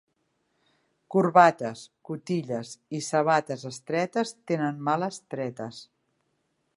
Corbates, cotilles i sabates estretes tenen males tretes.